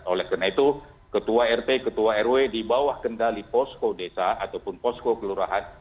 oleh karena itu ketua rt ketua rw di bawah kendali posko desa ataupun posko kelurahan